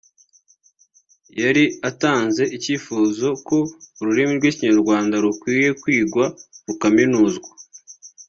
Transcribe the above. yari atanze icyifuzo ko ururimi rw’Ikinyarwanda rukwiye kwigwa rukaminuzwa